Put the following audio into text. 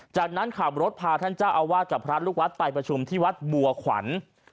จากนั้นขับรถพาท่านเจ้าอาวาสกับพระลูกวัดไปประชุมที่วัดบัวขวัญ